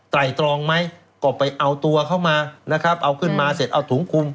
ตรองไหมก็ไปเอาตัวเข้ามานะครับเอาขึ้นมาเสร็จเอาถุงคุม